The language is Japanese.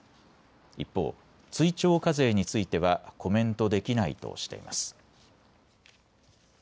一方、追徴課税についてはコメントできないとしています。